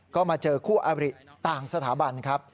ก็มาเจอคู่อบริต่างสถาบันครับ